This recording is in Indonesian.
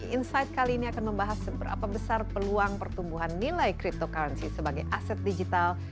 insight kali ini akan membahas seberapa besar peluang pertumbuhan nilai cryptocurrency sebagai aset digital